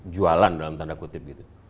jualan dalam tanda kutip gitu